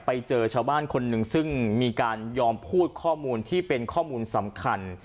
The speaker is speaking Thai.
ไปเจอชาวบ้านคนหนึ่งซึ่งมีการยอมพูดข้อมูลที่เป็นข้อมูลสำคัญ